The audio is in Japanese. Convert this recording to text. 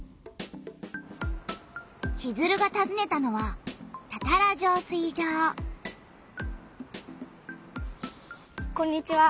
チズルがたずねたのはこんにちは。